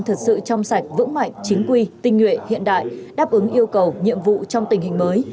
thật sự trong sạch vững mạnh chính quy tinh nguyện hiện đại đáp ứng yêu cầu nhiệm vụ trong tình hình mới